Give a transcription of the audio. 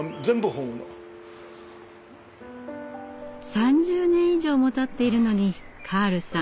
３０年以上もたっているのにカールさん